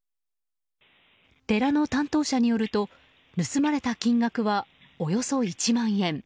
寺の担当者によると盗まれた金額はおよそ１万円。